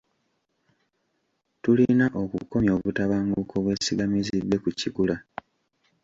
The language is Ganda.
Tulina okukomya obutabanguko obwesigamizidde ku kikula.